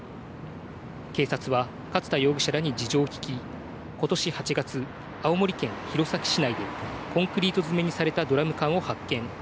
警察は勝田容疑者らに事情を聴き、今年８月、青森県弘前市内でコンクリート詰めにされたドラム缶を発見。